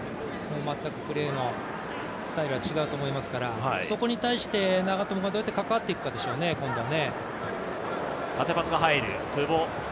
全くプレースタイルは違うと思いますからそこに対して長友がどうやって関わってくかでしょうね、今度は。